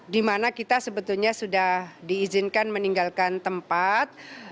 dimana kita sebetulnya sudah diizinkan meninggalkan tempat